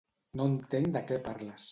No entenc de què parles.